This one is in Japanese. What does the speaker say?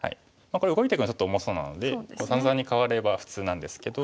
これ動いていくのはちょっと重そうなので三々に換われば普通なんですけど。